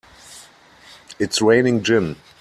It's raining gin!